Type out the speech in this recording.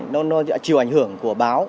nó chịu ảnh hưởng của báo